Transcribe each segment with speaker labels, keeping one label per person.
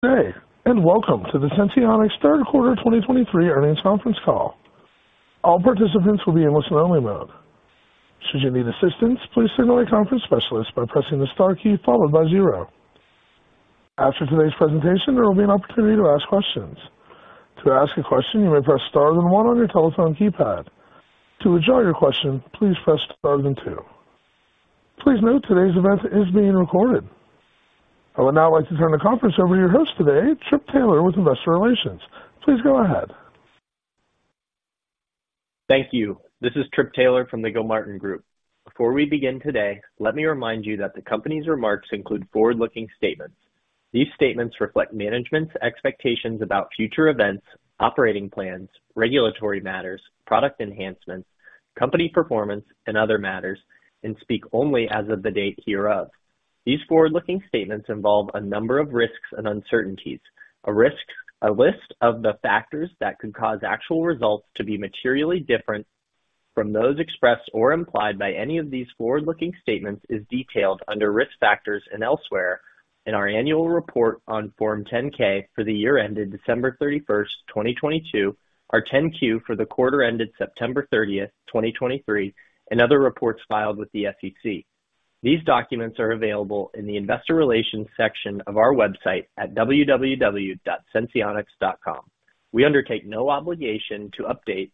Speaker 1: Good day, and welcome to the Senseonics Third Quarter 2023 Earnings Conference Call. All participants will be in listen-only mode. Should you need assistance, please signal a conference specialist by pressing the star key followed by zero. After today's presentation, there will be an opportunity to ask questions. To ask a question, you may press star then one on your telephone keypad. To withdraw your question, please press star then two. Please note, today's event is being recorded. I would now like to turn the conference over to your host today, Trip Taylor, with Investor Relations. Please go ahead.
Speaker 2: Thank you. This is Trip Taylor from the Gilmartin Group. Before we begin today, let me remind you that the company's remarks include forward-looking statements. These statements reflect management's expectations about future events, operating plans, regulatory matters, product enhancements, company performance, and other matters, and speak only as of the date hereof. These forward-looking statements involve a number of risks and uncertainties. A list of the factors that could cause actual results to be materially different from those expressed or implied by any of these forward-looking statements, is detailed under Risk Factors and elsewhere in our annual report on Form 10-K for the year ended December 31st, 2022, our 10-Q for the quarter ended September 30th, 2023, and other reports filed with the SEC. These documents are available in the Investor Relations section of our website at www.senseonics.com. We undertake no obligation to update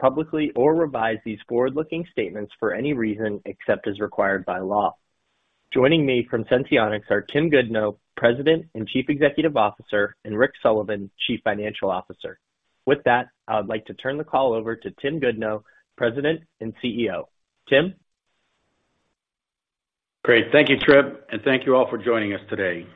Speaker 2: publicly or revise these forward-looking statements for any reason, except as required by law. Joining me from Senseonics are Tim Goodnow, President and Chief Executive Officer, and Rick Sullivan, Chief Financial Officer. With that, I would like to turn the call over to Tim Goodnow, President and CEO. Tim?
Speaker 3: Great. Thank you, Trip, and thank you all for joining us today.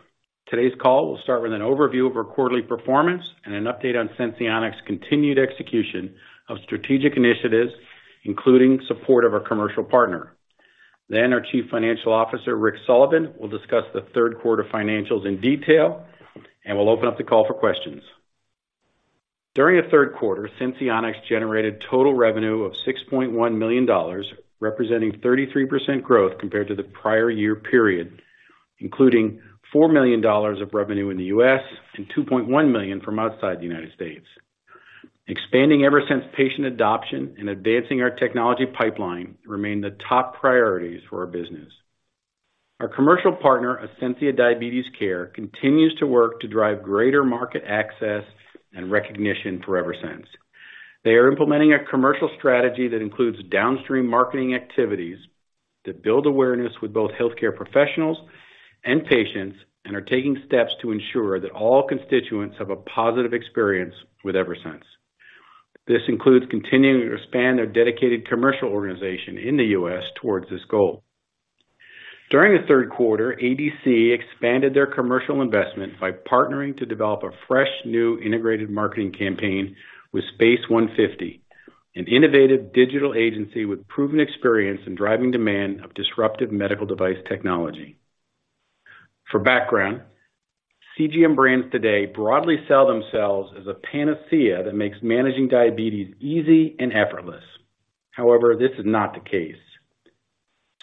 Speaker 3: Today's call will start with an overview of our quarterly performance and an update on Senseonics' continued execution of strategic initiatives, including support of our commercial partner. Then our Chief Financial Officer, Rick Sullivan, will discuss the third quarter financials in detail, and we'll open up the call for questions. During the third quarter, Senseonics generated total revenue of $6.1 million, representing 33% growth compared to the prior year period, including $4 million of revenue in the U.S. and $2.1 million from outside the United States. Expanding Eversense patient adoption and advancing our technology pipeline remain the top priorities for our business. Our commercial partner, Ascensia Diabetes Care, continues to work to drive greater market access and recognition for Eversense. They are implementing a commercial strategy that includes downstream marketing activities that build awareness with both healthcare professionals and patients, and are taking steps to ensure that all constituents have a positive experience with Eversense. This includes continuing to expand their dedicated commercial organization in the U.S. towards this goal. During the third quarter, ADC expanded their commercial investment by partnering to develop a fresh, new integrated marketing campaign with Space150, an innovative digital agency with proven experience in driving demand of disruptive medical device technology. For background, CGM brands today broadly sell themselves as a panacea that makes managing diabetes easy and effortless. However, this is not the case.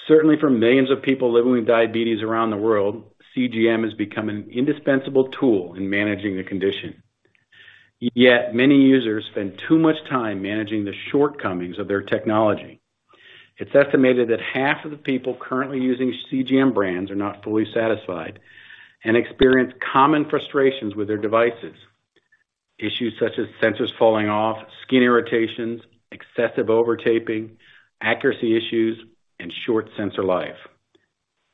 Speaker 3: Certainly, for millions of people living with diabetes around the world, CGM has become an indispensable tool in managing the condition. Yet many users spend too much time managing the shortcomings of their technology. It's estimated that half of the people currently using CGM brands are not fully satisfied and experience common frustrations with their devices. Issues such as sensors falling off, skin irritations, excessive over-taping, accuracy issues, and short sensor life.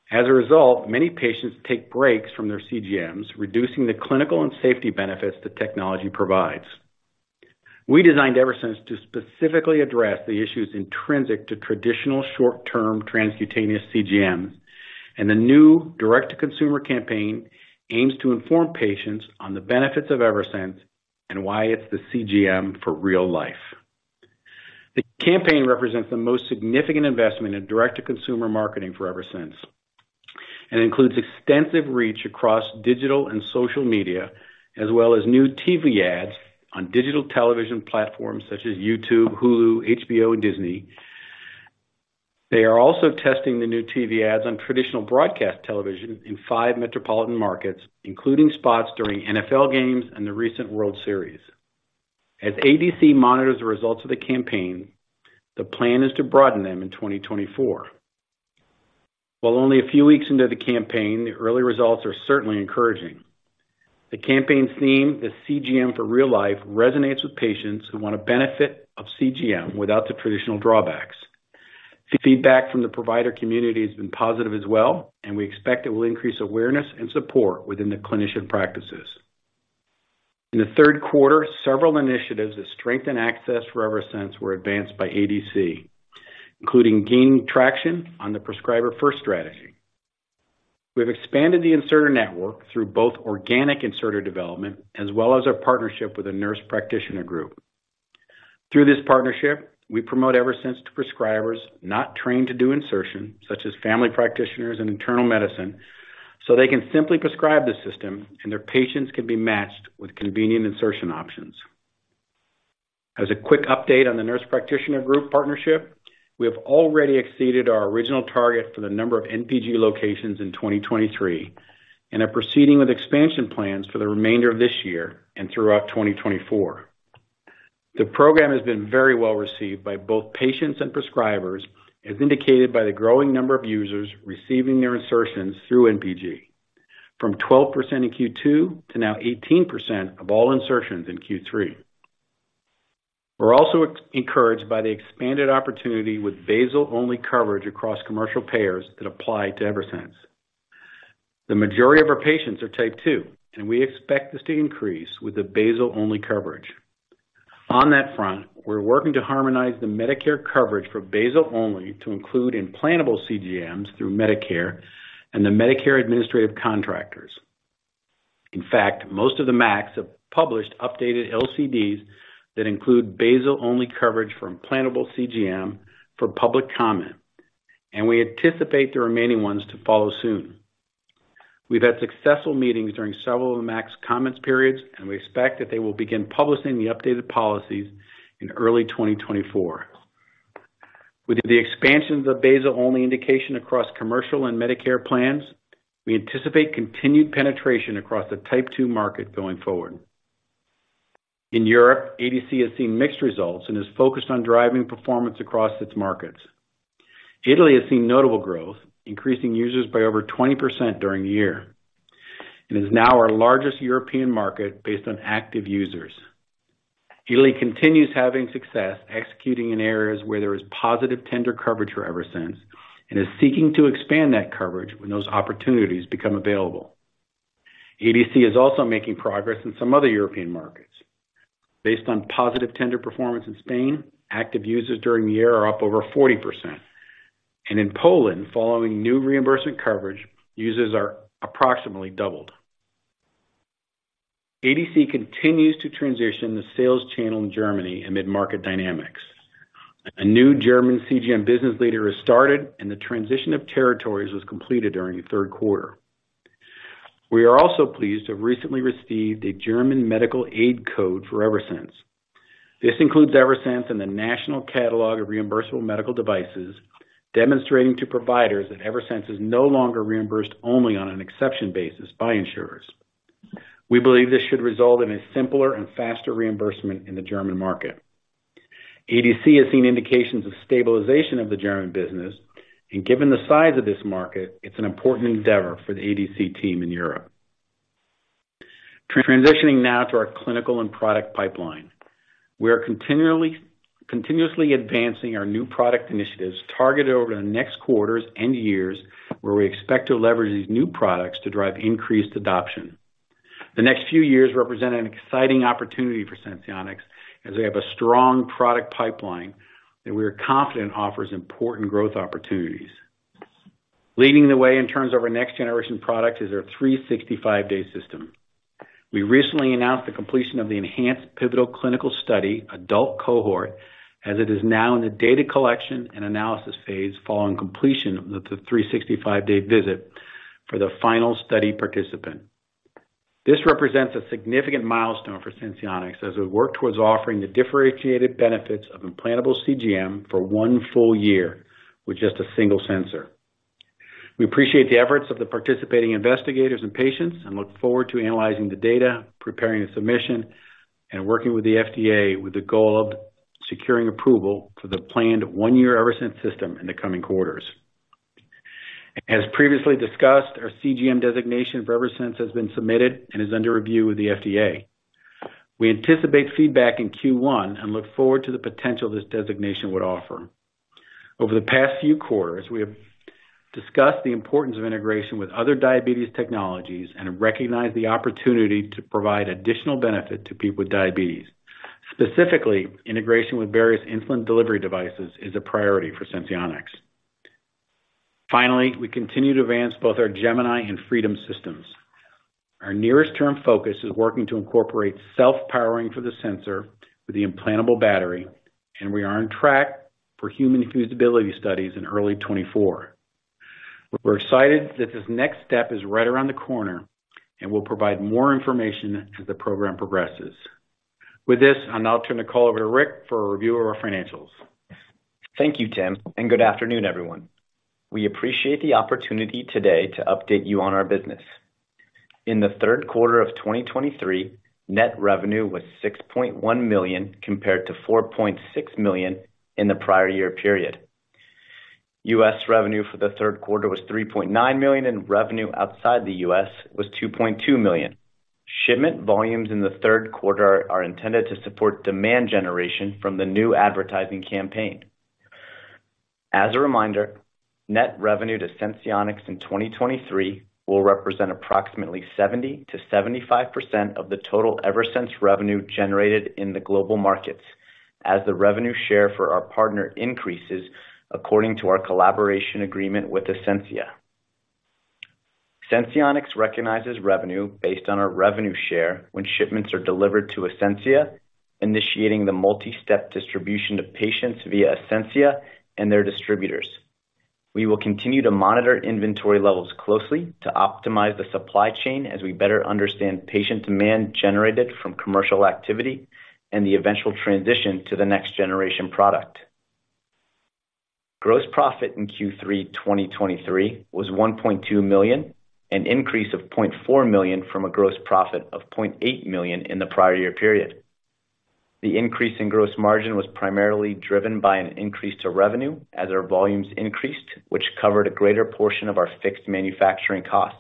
Speaker 3: As a result, many patients take breaks from their CGMs, reducing the clinical and safety benefits the technology provides. We designed Eversense to specifically address the issues intrinsic to traditional short-term transcutaneous CGMs, and the new direct-to-consumer campaign aims to inform patients on the benefits of Eversense and why it's the CGM for real life. The campaign represents the most significant investment in direct-to-consumer marketing for Eversense, and includes extensive reach across digital and social media, as well as new TV ads on digital television platforms such as YouTube, Hulu, HBO, and Disney. They are also testing the new TV ads on traditional broadcast television in five metropolitan markets, including spots during NFL games and the recent World Series. As ADC monitors the results of the campaign, the plan is to broaden them in 2024. While only a few weeks into the campaign, the early results are certainly encouraging. The campaign's theme, the CGM for real life, resonates with patients who want to benefit of CGM without the traditional drawbacks. Feedback from the provider community has been positive as well, and we expect it will increase awareness and support within the clinician practices. In the third quarter, several initiatives to strengthen access for Eversense were advanced by ADC, including gaining traction on the Prescriber First strategy. We've expanded the inserter network through both organic inserter development as well as our partnership with a nurse practitioner group. Through this partnership, we promote Eversense to prescribers not trained to do insertion, such as family practitioners and internal medicine, so they can simply prescribe the system, and their patients can be matched with convenient insertion options. As a quick update on the Nurse Practitioner Group partnership, we have already exceeded our original target for the number of NPG locations in 2023, and are proceeding with expansion plans for the remainder of this year and throughout 2024. The program has been very well received by both patients and prescribers, as indicated by the growing number of users receiving their insertions through NPG. From 12% in Q2 to now 18% of all insertions in Q3. We're also excited by the expanded opportunity with basal-only coverage across commercial payers that apply to Eversense. The majority of our patients are Type 2, and we expect this to increase with the basal-only coverage. On that front, we're working to harmonize the Medicare coverage for basal only to include implantable CGMs through Medicare and the Medicare Administrative Contractors. In fact, most of the MACs have published updated LCDs that include basal only coverage for implantable CGM for public comment, and we anticipate the remaining ones to follow soon. We've had successful meetings during several of the MACs' comments periods, and we expect that they will begin publishing the updated policies in early 2024. With the expansion of the basal-only indication across commercial and Medicare plans, we anticipate continued penetration across the Type 2 market going forward. In Europe, ADC has seen mixed results and is focused on driving performance across its markets. Italy has seen notable growth, increasing users by over 20% during the year. It is now our largest European market based on active users. Italy continues having success executing in areas where there is positive tender coverage for Eversense and is seeking to expand that coverage when those opportunities become available. ADC is also making progress in some other European markets. Based on positive tender performance in Spain, active users during the year are up over 40%. In Poland, following new reimbursement coverage, users are approximately doubled. ADC continues to transition the sales channel in Germany amid market dynamics. A new German CGM business leader has started, and the transition of territories was completed during the third quarter. We are also pleased to have recently received a German medical aid code for Eversense. This includes Eversense in the National Catalog of Reimbursable Medical Devices, demonstrating to providers that Eversense is no longer reimbursed only on an exception basis by insurers. We believe this should result in a simpler and faster reimbursement in the German market. ADC has seen indications of stabilization of the German business, and given the size of this market, it's an important endeavor for the ADC team in Europe. Transitioning now to our clinical and product pipeline. We are continuously advancing our new product initiatives targeted over the next quarters and years, where we expect to leverage these new products to drive increased adoption. The next few years represent an exciting opportunity for Senseonics, as we have a strong product pipeline that we are confident offers important growth opportunities. Leading the way in terms of our next-generation product is our 365-day system. We recently announced the completion of the enhanced pivotal clinical study, adult cohort, as it is now in the data collection and analysis phase following completion of the 365-day visit for the final study participant. This represents a significant milestone for Senseonics as we work towards offering the differentiated benefits of implantable CGM for one full year with just a single sensor. We appreciate the efforts of the participating investigators and patients, and look forward to analyzing the data, preparing the submission, and working with the FDA with the goal of securing approval for the planned one-year Eversense system in the coming quarters. As previously discussed, our CGM designation for Eversense has been submitted and is under review with the FDA. We anticipate feedback in Q1 and look forward to the potential this designation would offer. Over the past few quarters, we have discussed the importance of integration with other diabetes technologies and recognize the opportunity to provide additional benefit to people with diabetes. Specifically, integration with various insulin delivery devices is a priority for Senseonics. Finally, we continue to advance both our Gemini and Freedom systems. Our nearest term focus is working to incorporate self-powering for the sensor with the implantable battery, and we are on track for human feasibility studies in early 2024. We're excited that this next step is right around the corner and we'll provide more information as the program progresses. With this, I'll now turn the call over to Rick for a review of our financials.
Speaker 4: Thank you, Tim, and good afternoon, everyone. We appreciate the opportunity today to update you on our business. In the third quarter of 2023, net revenue was $6.1 million, compared to $4.6 million in the prior year period. U.S. revenue for the third quarter was $3.9 million, and revenue outside the U.S. was $2.2 million. Shipment volumes in the third quarter are intended to support demand generation from the new advertising campaign. As a reminder, net revenue to Senseonics in 2023 will represent approximately 70%-75% of the total Eversense revenue generated in the global markets, as the revenue share for our partner increases according to our collaboration agreement with Ascensia. Senseonics recognizes revenue based on our revenue share when shipments are delivered to Ascensia, initiating the multi-step distribution to patients via Ascensia and their distributors. We will continue to monitor inventory levels closely to optimize the supply chain as we better understand patient demand generated from commercial activity and the eventual transition to the next generation product. Gross profit in Q3 2023 was $1.2 million, an increase of $0.4 million from a gross profit of $0.8 million in the prior year period. The increase in gross margin was primarily driven by an increase to revenue as our volumes increased, which covered a greater portion of our fixed manufacturing costs.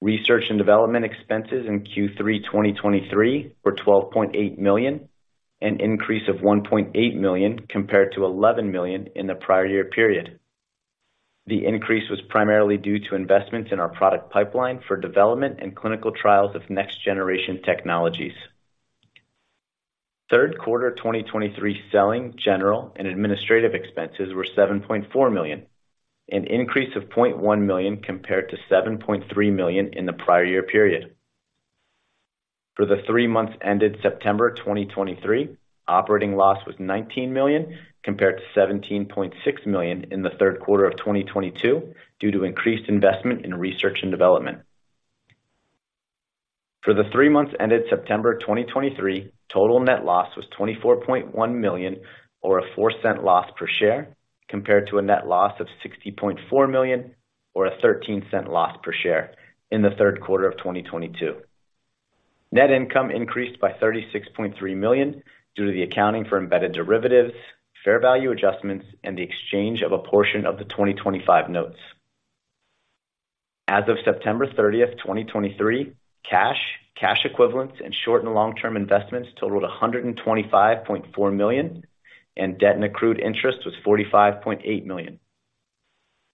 Speaker 4: Research and development expenses in Q3 2023 were $12.8 million, an increase of $1.8 million compared to $11 million in the prior year period. The increase was primarily due to investments in our product pipeline for development and clinical trials of next-generation technologies. Third quarter 2023 selling, general, and administrative expenses were $7.4 million, an increase of $0.1 million compared to $7.3 million in the prior year period. For the three months ended September 2023, operating loss was $19 million, compared to $17.6 million in the third quarter of 2022, due to increased investment in research and development. For the three months ended September 2023, total net loss was $24.1 million, or a $0.04 loss per share, compared to a net loss of $60.4 million, or a $0.13 loss per share in the third quarter of 2022. Net income increased by $36.3 million due to the accounting for embedded derivatives, fair value adjustments, and the exchange of a portion of the 2025 notes. As of September 30th, 2023, cash, cash equivalents, and short- and long-term investments totaled $125.4 million, and debt and accrued interest was $45.8 million.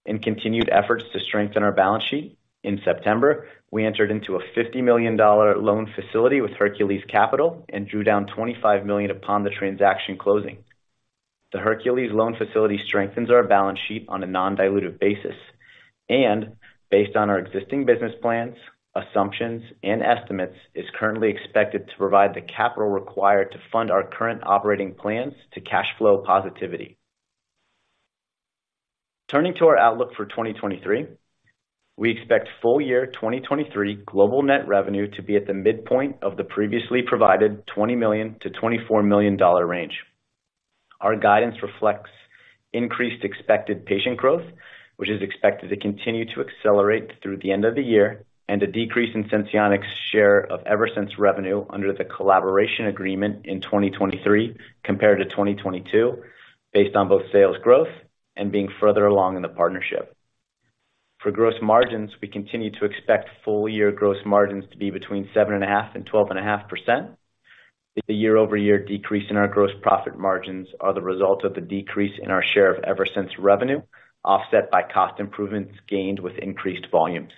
Speaker 4: In continued efforts to strengthen our balance sheet, in September, we entered into a $50 million loan facility with Hercules Capital and drew down $25 million upon the transaction closing. The Hercules loan facility strengthens our balance sheet on a non-dilutive basis, and based on our existing business plans, assumptions, and estimates, is currently expected to provide the capital required to fund our current operating plans to cash flow positivity. Turning to our outlook for 2023, we expect full year 2023 global net revenue to be at the midpoint of the previously provided $20 million-$24 million range. Our guidance reflects increased expected patient growth, which is expected to continue to accelerate through the end of the year, and a decrease in Senseonics' share of Eversense revenue under the collaboration agreement in 2023 compared to 2022, based on both sales growth and being further along in the partnership. For gross margins, we continue to expect full year gross margins to be between 7.5% and 12.5%. The year-over-year decrease in our gross profit margins are the result of the decrease in our share of Eversense revenue, offset by cost improvements gained with increased volumes.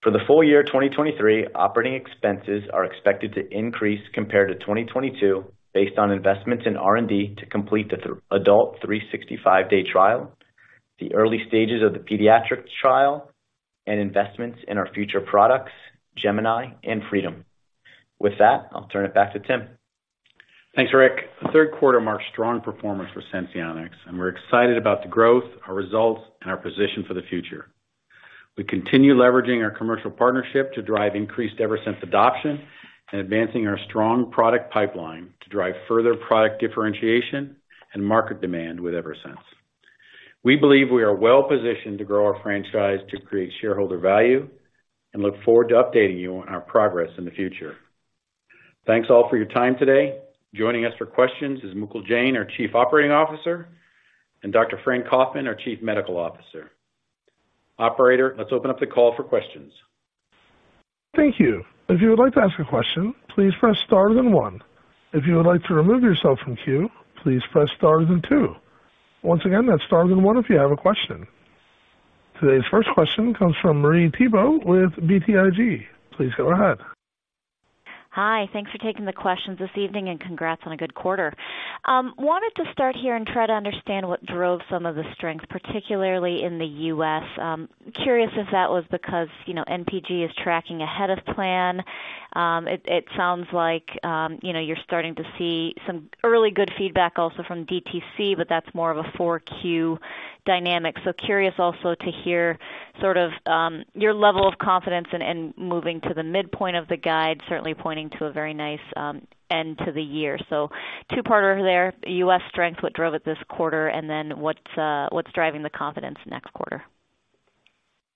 Speaker 4: For the full year 2023, operating expenses are expected to increase compared to 2022, based on investments in R&D to complete the adult 365-day trial, the early stages of the pediatric trial, and investments in our future products, Gemini and Freedom. With that, I'll turn it back to Tim.
Speaker 3: Thanks, Rick. The third quarter marks strong performance for Senseonics, and we're excited about the growth, our results, and our position for the future. We continue leveraging our commercial partnership to drive increased Eversense adoption and advancing our strong product pipeline to drive further product differentiation and market demand with Eversense. We believe we are well-positioned to grow our franchise to create shareholder value and look forward to updating you on our progress in the future. Thanks, all, for your time today. Joining us for questions is Mukul Jain, our Chief Operating Officer, and Dr. Francine Kaufman, our Chief Medical Officer. Operator, let's open up the call for questions.
Speaker 1: Thank you. If you would like to ask a question, please press star then one. If you would like to remove yourself from queue, please press star then two. Once again, that's star then one if you have a question. Today's first question comes from Marie Thibault with BTIG. Please go ahead.
Speaker 5: Hi, thanks for taking the questions this evening, and congrats on a good quarter. Wanted to start here and try to understand what drove some of the strength, particularly in the U.S. Curious if that was because, you know, NPG is tracking ahead of plan. It sounds like, you know, you're starting to see some early good feedback also from DTC, but that's more of a Q4 dynamic. So curious also to hear sort of your level of confidence in moving to the midpoint of the guide, certainly pointing to a very nice end to the year. So two-parter there. U.S. strength, what drove it this quarter, and then what's driving the confidence next quarter?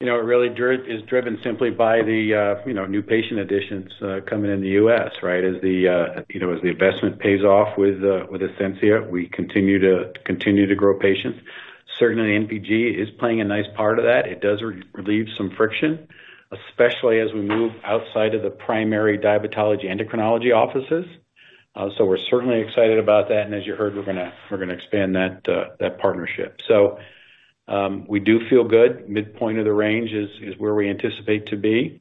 Speaker 3: You know, it really is driven simply by the, you know, new patient additions, coming in the U.S., right? As the, you know, as the investment pays off with Ascensia, we continue to grow patients. Certainly, NPG is playing a nice part of that. It does relieve some friction, especially as we move outside of the primary diabetology endocrinology offices. So we're certainly excited about that, and as you heard, we're gonna expand that partnership. So we do feel good. Midpoint of the range is where we anticipate to be.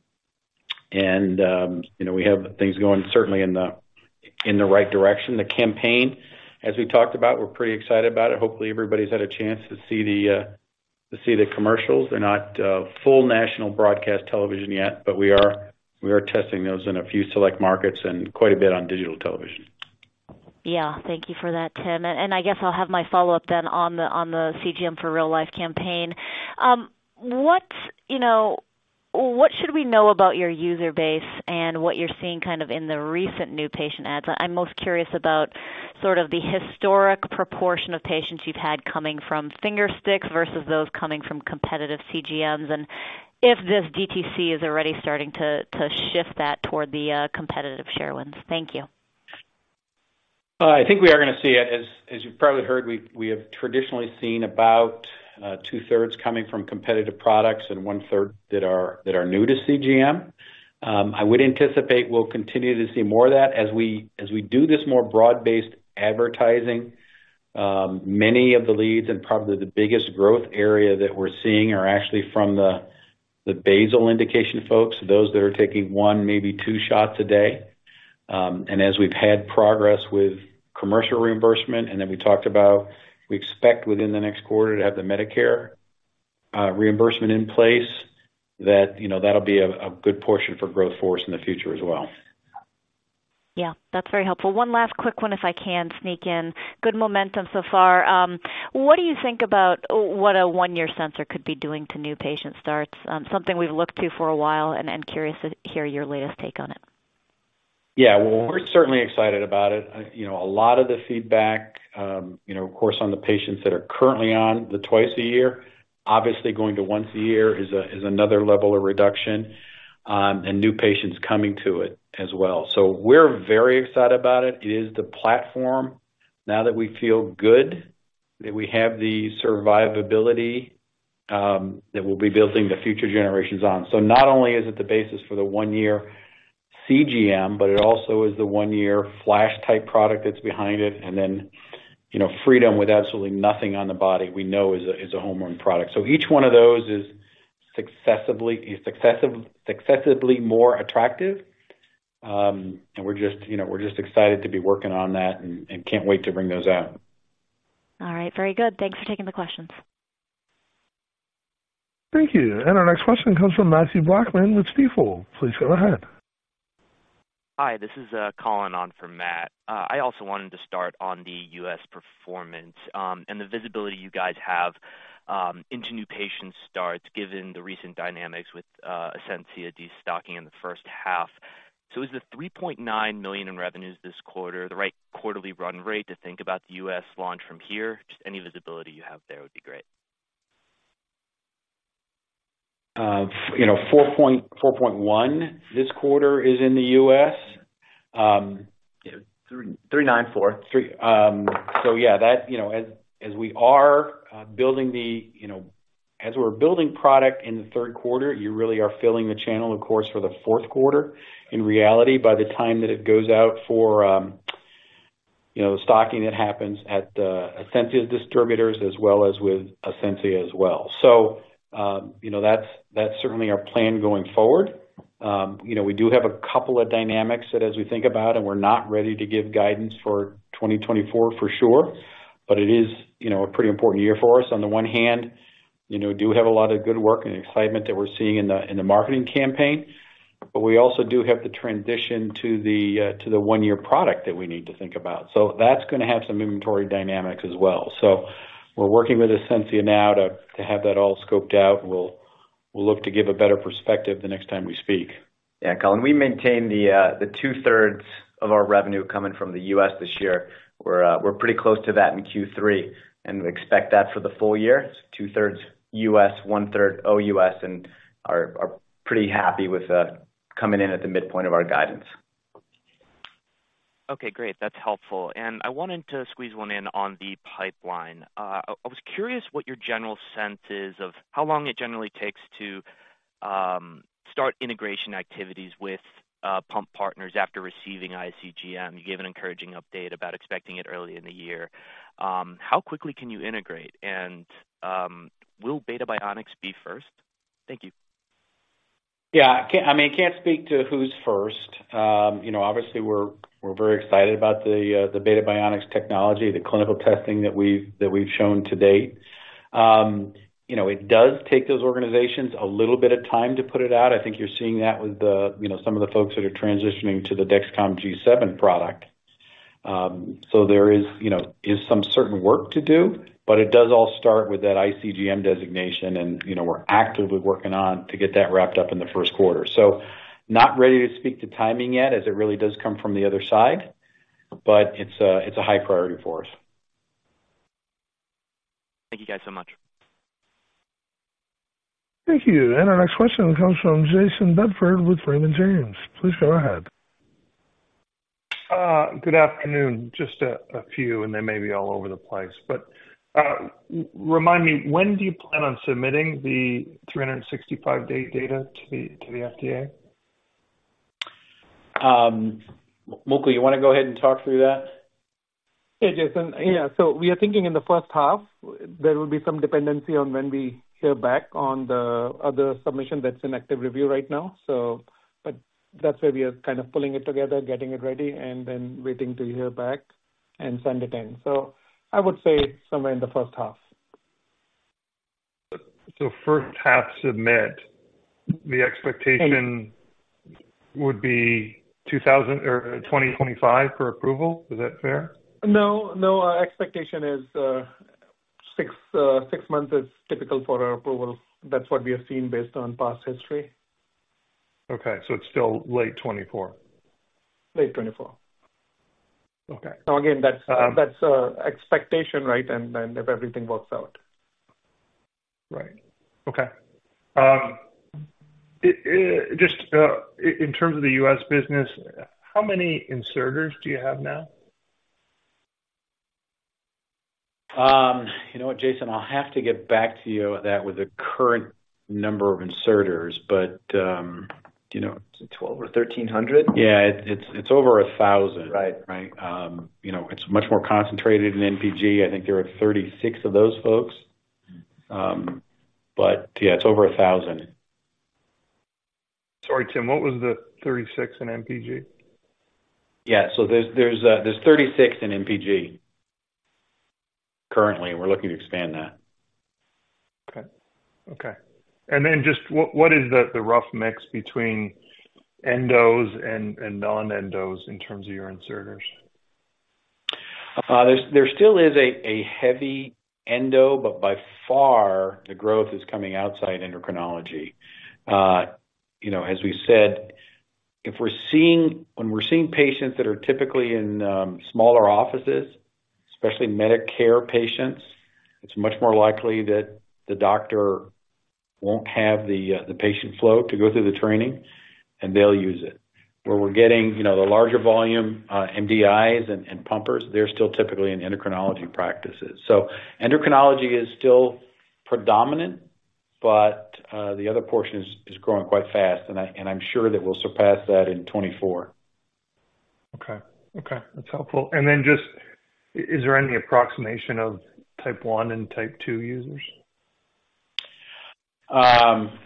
Speaker 3: And you know, we have things going certainly in the right direction. The campaign, as we talked about, we're pretty excited about it. Hopefully, everybody's had a chance to see the commercials. They're not full national broadcast television yet, but we are testing those in a few select markets and quite a bit on digital television.
Speaker 5: Yeah. Thank you for that, Tim. And I guess I'll have my follow-up then on the CGM for Real Life campaign. What, you know, what should we know about your user base and what you're seeing kind of in the recent new patient ads? I'm most curious about sort of the historic proportion of patients you've had coming from fingersticks versus those coming from competitive CGMs, and if this DTC is already starting to shift that toward the competitive share wins. Thank you.
Speaker 3: I think we are going to see it. As you've probably heard, we have traditionally seen about two-thirds coming from competitive products and one-third that are new to CGM. I would anticipate we'll continue to see more of that. As we do this more broad-based advertising, many of the leads and probably the biggest growth area that we're seeing are actually from the basal indication folks, those that are taking one, maybe two shots a day. And as we've had progress with commercial reimbursement, and then we talked about, we expect within the next quarter to have the Medicare reimbursement in place, that you know, that'll be a good portion for growth for us in the future as well.
Speaker 5: Yeah, that's very helpful. One last quick one, if I can sneak in. Good momentum so far. What do you think about what a one-year sensor could be doing to new patient starts? Something we've looked to for a while and curious to hear your latest take on it.
Speaker 3: Yeah. Well, we're certainly excited about it. You know, a lot of the feedback, you know, of course, on the patients that are currently on the twice a year, obviously, going to once a year is another level of reduction, and new patients coming to it as well. So we're very excited about it. It is the platform now that we feel good, that we have the survivability, that we'll be building the future generations on. So not only is it the basis for the one-year CGM, but it also is the one-year flash-type product that's behind it, and then, you know, Freedom with absolutely nothing on the body we know is a home run product. So each one of those is successively more attractive. And we're just, you know, we're just excited to be working on that and can't wait to bring those out.
Speaker 5: All right. Very good. Thanks for taking the questions.
Speaker 1: Thank you. Our next question comes from Matthew Blackman with Stifel. Please go ahead.
Speaker 6: Hi, this is Colin on for Matt. I also wanted to start on the U.S. performance, and the visibility you guys have into new patient starts, given the recent dynamics with Ascensia destocking in the first half. So is the $3.9 million in revenues this quarter the right quarterly run rate to think about the U.S. launch from here? Just any visibility you have there would be great.
Speaker 3: You know, 4.1 this quarter is in the U.S.
Speaker 6: Yeah. 394.
Speaker 3: So yeah, that, you know, as, as we are, building the, you know... As we're building product in the third quarter, you really are filling the channel, of course, for the fourth quarter. In reality, by the time that it goes out for, you know, stocking, it happens at, Ascensia distributors as well as with Ascensia as well. So, you know, that's, that's certainly our plan going forward. You know, we do have a couple of dynamics that as we think about, and we're not ready to give guidance for 2024 for sure, but it is, you know, a pretty important year for us. On the one hand, you know, do have a lot of good work and excitement that we're seeing in the marketing campaign, but we also do have the transition to the one-year product that we need to think about. So that's going to have some inventory dynamics as well. So we're working with Ascensia now to have that all scoped out. We'll look to give a better perspective the next time we speak.
Speaker 4: Yeah, Colin, we maintain the 2/3 of our revenue coming from the US this year. We're pretty close to that in Q3, and we expect that for the full year, 2/3 US, 1/3 OUS, and are pretty happy with coming in at the midpoint of our guidance.
Speaker 6: Okay, great. That's helpful. I wanted to squeeze one in on the pipeline. I was curious what your general sense is of how long it generally takes to start integration activities with pump partners after receiving iCGM. You gave an encouraging update about expecting it early in the year. How quickly can you integrate? And will Beta Bionics be first? Thank you.
Speaker 3: Yeah, I can't, I mean, I can't speak to who's first. You know, obviously, we're, we're very excited about the Beta Bionics technology, the clinical testing that we've, that we've shown to date. You know, it does take those organizations a little bit of time to put it out. I think you're seeing that with the, you know, some of the folks that are transitioning to the Dexcom G7 product. So there is, you know, is some certain work to do, but it does all start with that iCGM designation, and, you know, we're actively working on to get that wrapped up in the first quarter. So not ready to speak to timing yet, as it really does come from the other side, but it's a, it's a high priority for us.
Speaker 6: Thank you, guys, so much.
Speaker 1: Thank you. Our next question comes from Jayson Bedford with Raymond James. Please go ahead.
Speaker 7: Good afternoon. Just a few, and they may be all over the place, but, remind me, when do you plan on submitting the 365-day data to the FDA?
Speaker 3: Mukul, you want to go ahead and talk through that?
Speaker 8: Hey, Jason. Yeah, so we are thinking in the first half, there will be some dependency on when we hear back on the other submission that's in active review right now. So but that's where we are kind of pulling it together, getting it ready, and then waiting to hear back... and send it in. So I would say somewhere in the first half.
Speaker 7: First half submit, the expectation. Would be 2024 or 2025 for approval? Is that fair?
Speaker 8: No, no. Our expectation is, six, six months is typical for our approvals. That's what we have seen based on past history.
Speaker 7: Okay, so it's still late 2024?
Speaker 8: Late 2024.
Speaker 7: Okay.
Speaker 8: Again, that's expectation, right, and then if everything works out.
Speaker 7: Right. Okay. Just, in terms of the U.S. business, how many inserters do you have now?
Speaker 3: You know what, Jayson, I'll have to get back to you on that with the current number of inserters, but, you know-
Speaker 8: 1,200 or 1,300.
Speaker 3: Yeah, it's over 1,000.
Speaker 8: Right.
Speaker 3: Right? You know, it's much more concentrated in NPG. I think there are 36 of those folks. But yeah, it's over 1,000.
Speaker 7: Sorry, Tim, what was the 36 in NPG?
Speaker 3: Yeah. There's 36 in NPG currently, and we're looking to expand that.
Speaker 7: Okay. Okay. And then just what is the rough mix between endos and non-endos in terms of your inserters?
Speaker 3: There's still a heavy endo, but by far, the growth is coming outside endocrinology. You know, as we said, when we're seeing patients that are typically in smaller offices, especially Medicare patients, it's much more likely that the doctor won't have the patient flow to go through the training, and they'll use it. Where we're getting the larger volume, you know, MDIs and pumpers, they're still typically in endocrinology practices. So endocrinology is still predominant, but the other portion is growing quite fast, and I'm sure that we'll surpass that in 2024.
Speaker 7: Okay. Okay, that's helpful. And then just, is there any approximation of Type 1 and Type 2 users?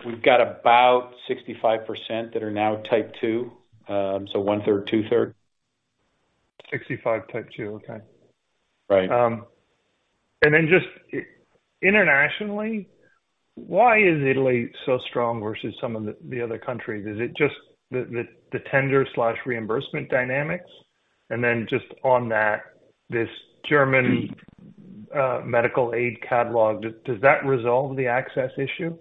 Speaker 3: We've got about 65% that are now Type 2. So 1/3, 2/3.
Speaker 7: 65 Type 2. Okay.
Speaker 3: Right.
Speaker 7: And then just internationally, why is Italy so strong versus some of the other countries? Is it just the tender/reimbursement dynamics? And then just on that, this German medical aid catalog, does that resolve the access issue?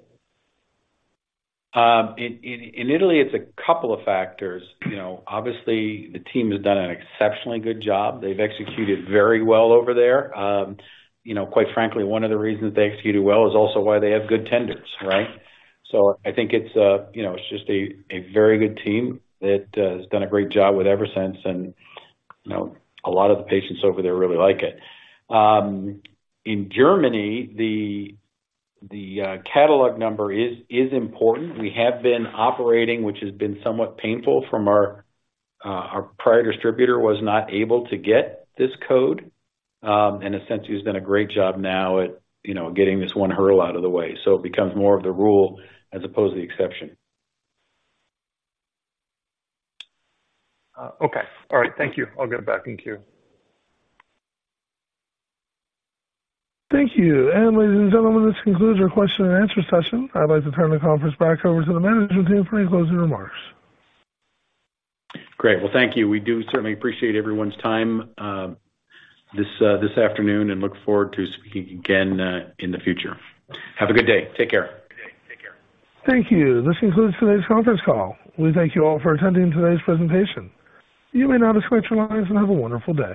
Speaker 3: In Italy, it's a couple of factors. You know, obviously, the team has done an exceptionally good job. They've executed very well over there. You know, quite frankly, one of the reasons they executed well is also why they have good tenders, right? So I think it's, you know, it's just a very good team that has done a great job with Eversense, and, you know, a lot of the patients over there really like it. In Germany, the catalog number is important. We have been operating, which has been somewhat painful from our prior distributor was not able to get this code. And Ascensia has done a great job now at, you know, getting this one hurdle out of the way, so it becomes more of the rule as opposed to the exception.
Speaker 7: Okay. All right. Thank you. I'll get back in queue.
Speaker 1: Thank you. Ladies and gentlemen, this concludes our question and answer session. I'd like to turn the conference back over to the management team for any closing remarks.
Speaker 3: Great. Well, thank you. We do certainly appreciate everyone's time, this afternoon, and look forward to speaking again, in the future. Have a good day. Take care.
Speaker 8: Take care.
Speaker 1: Thank you. This concludes today's conference call. We thank you all for attending today's presentation. You may now disconnect your lines and have a wonderful day.